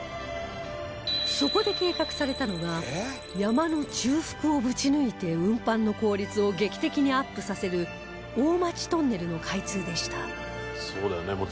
そこで計画されたのが山の中腹をぶち抜いて運搬の効率を劇的にアップさせる大町トンネルの開通でした